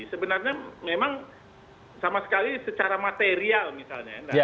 sebenarnya memang sama sekali secara material misalnya